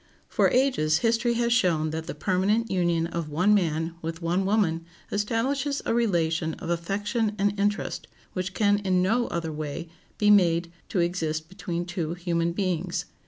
For ages history has shown that the permanent union of one man with one woman establishes a relation of affection and interest which can in no other way be made to exist between two human beings.